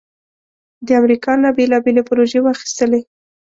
د امریکا نه بیلابیلې پروژې واخستلې